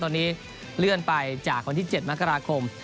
ตอนนี้เลื่อนไปจากวันที่๗มกราคม